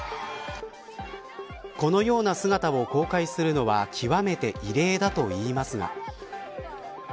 このような姿を公開するのは極めて異例だといいますが。